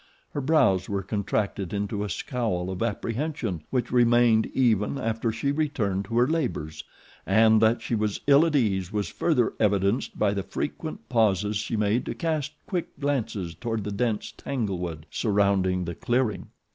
Her brows were contracted into a scowl of apprehension which remained even after she returned to her labors, and that she was ill at ease was further evidenced by the frequent pauses she made to cast quick glances toward the dense tanglewood surrounding the clearing.